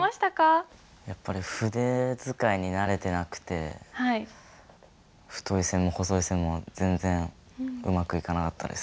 やっぱり筆使いに慣れてなくて太い線も細い線も全然うまくいかなかったです。